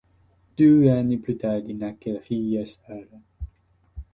Due anni più tardi nacque la figlia Sara.